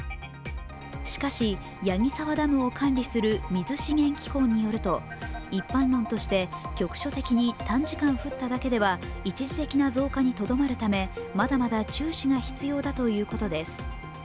しかし、矢木沢ダムを管理する水資源機構によると一般論として局所的に短時間降っただけでは一時的な増加にとどまるためまだまだ注視が必要だということです。